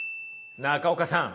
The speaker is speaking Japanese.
中岡さん